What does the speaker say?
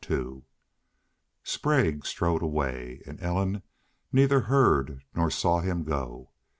Sprague strode away, and Ellen neither heard nor saw him go.